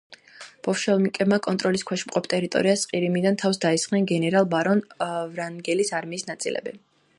ბოლშევიკთა კონტროლის ქვეშ მყოფ ტერიტორიას ყირიმიდან თავს დაესხნენ გენერალ ბარონ ვრანგელის არმიის ნაწილები.